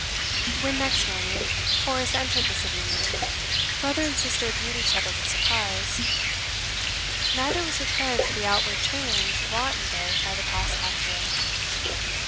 When, next morning, Horace entered the sitting room, brother and sister viewed each other with surprise. Neither was prepared for the outward change wrought in both by the past half year.